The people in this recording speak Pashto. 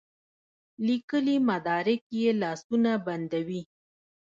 لیکلي مدارک یې لاسونه بندوي.